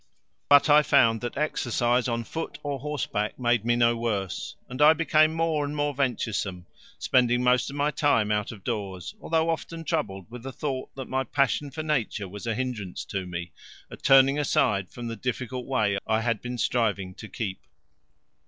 But I found that exercise on foot or horseback made me no worse, and I became more and more venturesome, spending most of my time out of doors, although often troubled with the thought that my passion for Nature was a hindrance to me, a turning aside from the difficult way I had been striving to keep.